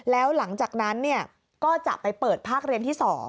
แล้วหลังจากนั้นก็จะไปเปิดภาคเรียนที่๒